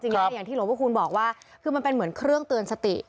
อย่างที่หลวงพระคูณบอกว่าคือมันเป็นเหมือนเครื่องเตือนสติ